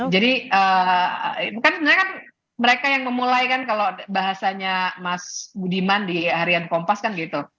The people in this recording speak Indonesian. bukan sebenarnya kan mereka yang memulai kan kalau bahasanya mas budiman di harian kompas kan gitu